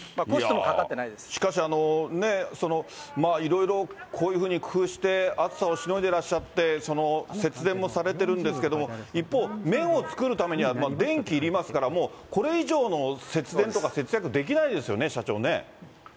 しかし、いろいろ、こういうふうに工夫して、暑さをしのいでらっしゃって節電もされているんですけれども、一方、麺を作るためには電気いりますから、もうこれ以上の節電とか節約できないですよね、社長ね。